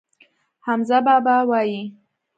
حمزه بابا وايي.